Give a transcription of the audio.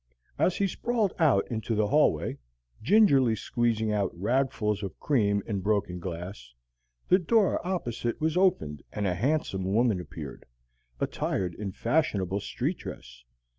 As he sprawled out into the hallway, gingerly squeezing out ragfuls of cream and broken glass, the door opposite was opened and a handsome woman appeared, attired in fashionable street dress.